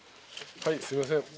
はいすいません。